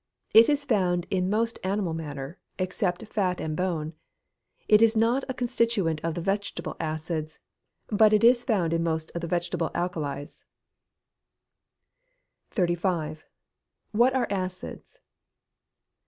It is found in most animal matter, except fat and bone. It is not a constituent of the vegetable acids, but it is found in most of the vegetable alkalies. 35. _What are acids?